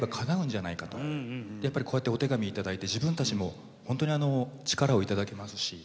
やっぱりこうやってお手紙頂いて自分たちも本当に力を頂けますし